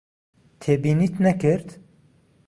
تێبینیت نەکرد؟